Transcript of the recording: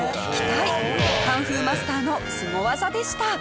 カンフーマスターのスゴ技でした。